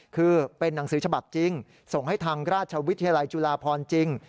คือเป็นหนังสือฉบับจริงส่งให้ทางราชวิทยาลัยจุฬาพรจริง